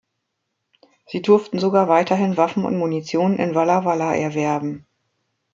Sie durften sogar weiterhin Waffen und Munition in Walla Walla erwerben.